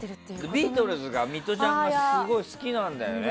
ビートルズをミトちゃんがすごい好きなんだよね。